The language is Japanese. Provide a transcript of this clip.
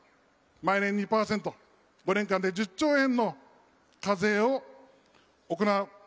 毎年２％、５年間で１０兆円の課税を行う。